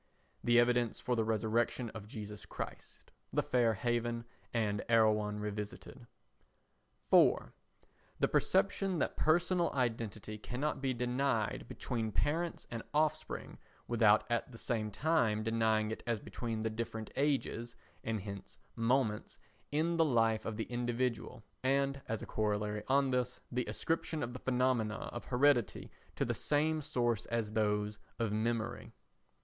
[The Evidence for the Resurrection of Jesus Christ, The Fair Haven and Erewhon Revisited.] 4. The perception that personal identity cannot be denied between parents and offspring without at the same time denying it as between the different ages (and hence moments) in the life of the individual and, as a corollary on this, the ascription of the phenomena of heredity to the same source as those of memory.